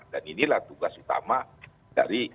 dan inilah tugas utama dari